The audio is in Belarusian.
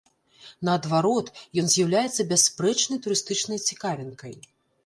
Наадварот, ён з'яўляецца бясспрэчнай турыстычнай цікавінкай.